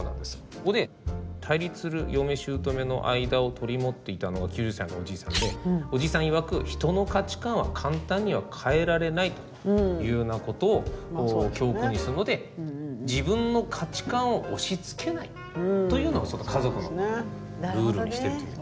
ここで対立する嫁しゅうとめの間を取り持っていたのが９０歳のおじいさんでおじいさんいわく「人の価値観は簡単には変えられない」というようなことを教訓にしたので自分の価値観を押しつけないというのを家族のルールにしているという。